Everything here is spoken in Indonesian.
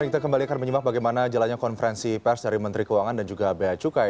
kita kembali akan menyimak bagaimana jalannya konferensi pers dari menteri keuangan dan juga bea cukai